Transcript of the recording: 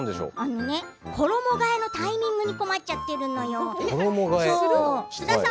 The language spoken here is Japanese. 衣がえのタイミングで困っちゃってるのよ。